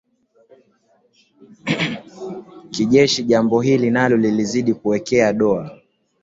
kijeshi jambo hili nalo lilizidi kuwekea doa